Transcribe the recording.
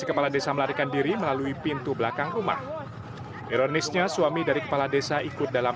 kepala desa melarikan diri melalui pintu belakang rumah ironisnya suami dari kepala desa ikut dalam